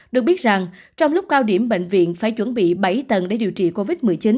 được biết rằng trong lúc cao điểm bệnh viện phải chuẩn bị bảy tầng để điều trị covid một mươi chín